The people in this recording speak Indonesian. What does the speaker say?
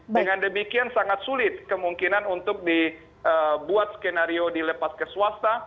dengan demikian sangat sulit kemungkinan untuk dibuat skenario dilepas ke swasta